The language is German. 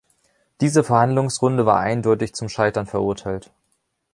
Diese Verhandlungsrunde war eindeutig zum Scheitern verurteilt.